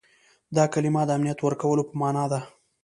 دا کلمه د امنیت ورکولو په معنا ده.